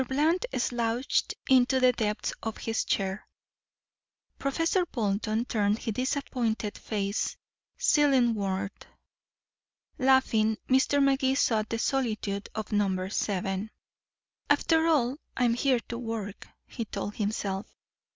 Bland slouched into the depths of his chair. Professor Bolton turned his disappointed face ceilingward. Laughing, Mr. Magee sought the solitude of number seven. "After all, I'm here to work," he told himself.